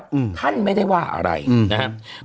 อืมท่านไม่ได้ว่าอะไรอืมนะครับ